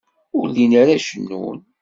Ur llin ara cennun.